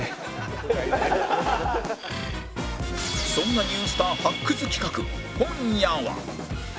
そんなニュースター発掘企画今夜は